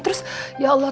terus ya allah